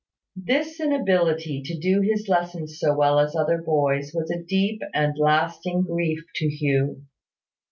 This inability to do his lessons so well as other boys was a deep and lasting grief to Hugh.